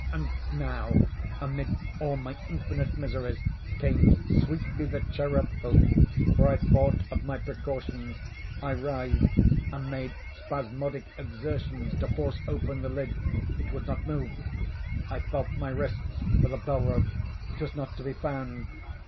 And now, amid all my infinite miseries, came sweetly the cherub Hope—for I thought of my precautions. I writhed, and made spasmodic exertions to force open the lid: it would not move. I felt my wrists for the bell rope: it was not to be found.